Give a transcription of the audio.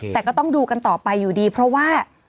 แต่ก็ต้องดูกันต่อไปอยู่ดีเพราะว่า